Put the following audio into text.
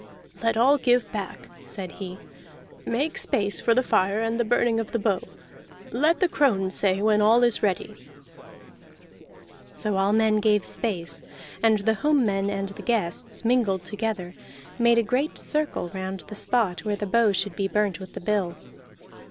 "Let all give back," said he. "Make space for the fire and the burning of the bow. Let the crone say when all is ready." So all men gave space; and the home men and the guests, mingled together, made a great circle round the spot where the bow should be burnt with the bill.